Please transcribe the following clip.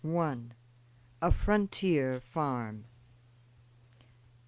A FRONTIER FARM.